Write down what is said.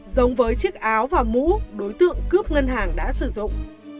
giống với chiếc áo và mũ đối tượng cướp ngân hàng đã sử dụng